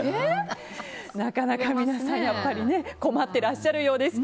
なかなか皆さん、やっぱり困ってらっしゃるようです。